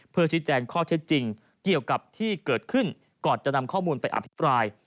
เพื่อชี้แจงข้อเท็จจริงเกี่ยวกับที่เกิดขึ้นก่อนจะนำข้อมูลไปอภิปราย